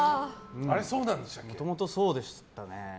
もともとそうでしたね。